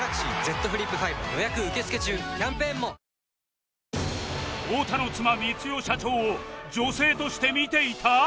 本麒麟太田の妻光代社長を女性として見ていた！？